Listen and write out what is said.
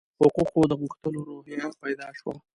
حقوقو د غوښتلو روحیه پیدا شوه.